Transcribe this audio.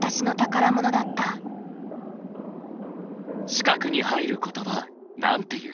四角に入る言葉なんて言う？